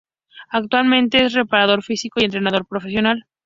Actualmente es preparador físico y entrenador personal.